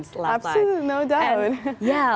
pembuatan tidak ada kesalahan